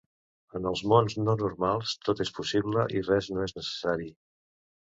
En els mons no-normals tot és possible i res no és necessari.